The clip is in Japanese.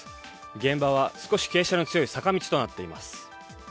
現場は少し傾斜の強い坂道となっています。